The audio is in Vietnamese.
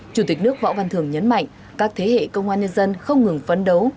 chủ tịch nước võ văn thường nhấn mạnh các thế hệ công an nhân dân không ngừng phấn đấu